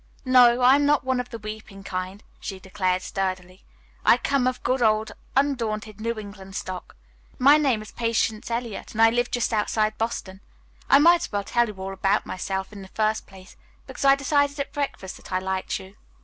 "No, I am not one of the weeping kind," she declared sturdily. "I come of good, old, undaunted New England stock. My name is Patience Eliot and I live just outside Boston. I might as well tell you all about myself in the first place, because I decided at breakfast that I liked you.